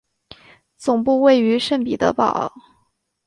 总部位于圣彼得堡。